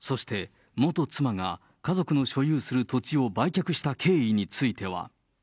そして元妻が家族の所有する土地を売却した経緯については。